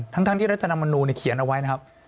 ทั้งที่รัฐนมณูเขียนเอาไว้